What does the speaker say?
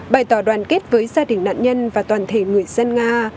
bày tỏ đoàn kết với gia đình nạn nhân và toàn thể người dân nga